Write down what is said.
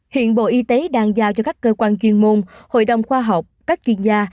hiện bộ y tế đang giao cho các cơ quan chuyên môn hội đồng khoa học các chuyên gia